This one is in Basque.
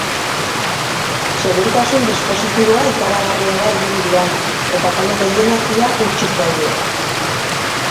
Segurtasun dispositiboa ikaragarria da hiriburuan, eta kale gehienak ia hutsik daude.